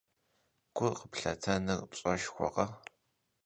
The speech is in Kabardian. Гу къыплъатэныр пщӀэшхуэкъэ!